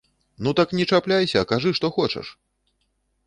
Ну так не чапляйся, а кажы, што хочаш?